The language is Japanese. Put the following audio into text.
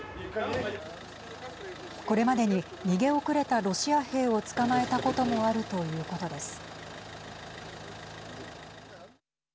これまでに逃げ遅れたロシア兵を捕まえたこともあるということです。